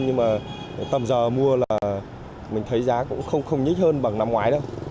nhưng mà tầm giờ mua là mình thấy giá cũng không nhích hơn bằng năm ngoái đâu